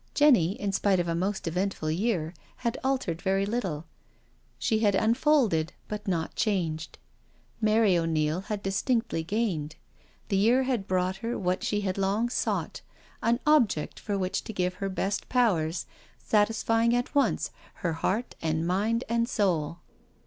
Jenny, in spite of a most eventful year, had altered very little — she had unfolded, but not changed. Mary O'Neil had distinctly gained. The year had brought her what she had long sought, an object for which to give her best powers, satisfying at once her heart and mind and soul.